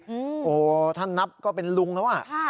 โอ้โฮท่านนับก็เป็นลุงแล้วว่ะ